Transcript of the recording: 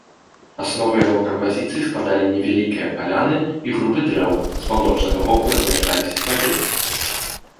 Аснову яго кампазіцыі складалі невялікія паляны і групы дрэў, з паўночнага боку размяшчаліся сады.